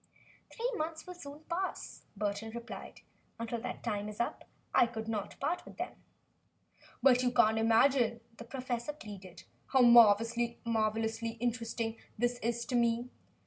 "Three months will soon pass," Burton replied. "Until that time is up, I could not part with them." "But you can't imagine," the professor pleaded, "how marvelously interesting this is to me.